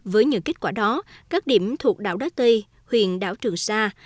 với những kết quả đó các điểm thuộc đảo đá tây huyện đảo trường sa